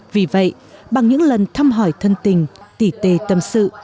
vì vậy bằng những lần thăm hỏi thân tình tỉ tê tâm sự